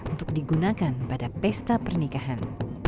untuk digunakan pada pesta pernikahan